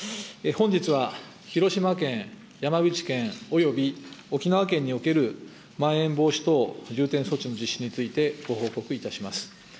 本日は、広島県、山口県、および沖縄県における、まん延防止等重点措置の実施について、ご報告いたします。